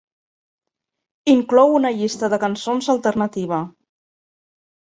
Inclou una llista de cançons alternativa.